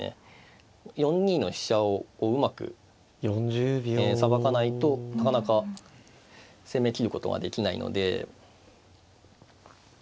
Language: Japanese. ４二の飛車をうまくさばかないとなかなか攻めきることができないので。